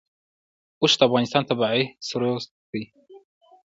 اوښ د افغانستان طبعي ثروت دی.